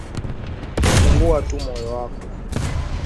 Fungua tu moyo wako